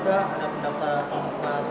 kita ada pendataan fotografi